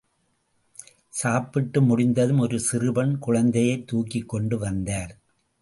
சாப்பிட்டு முடிந்ததும் ஒரு சிறு பெண் குழந்தையைத் தூக்கிக் கொண்டு வந்தார்.